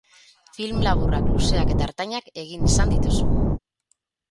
Film laburrak, luzeak eta ertainak egin izan dituzu.